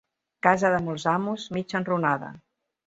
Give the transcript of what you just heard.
Casa de molts amos, mig enrunada.